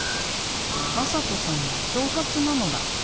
「まさとさん」は長髪なのだ。